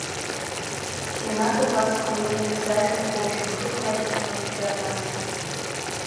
Синаҭ убасҟан ииҳәаз ажәақәа уажәыгьы ихы иҭагьежьуан Џьарнас.